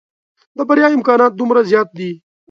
د بريا امکانات دومره زيات دي.